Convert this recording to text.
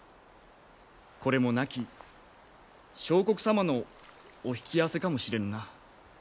これも亡き相国様のお引き合わせかもしれぬな。